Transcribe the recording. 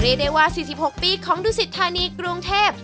เรดวา๔๖ปีของดุสิทธานีกรุงเทพฯ